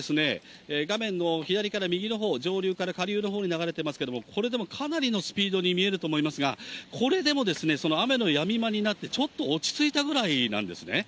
水の流れが画面の左から右のほう、上流から下流の方に流れていますけれども、これでもかなりのスピードに見えると思いますが、これでも雨のやみ間になって、ちょっと落ち着いたぐらいなんですね。